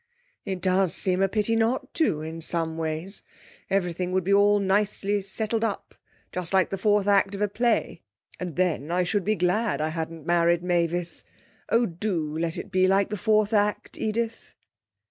'It does seem a pity not to, in some ways; everything would be all nicely settled up, just like the fourth act of a play. And then I should be glad I hadn't married Mavis... Oh, do let it be like the fourth act, Edith.'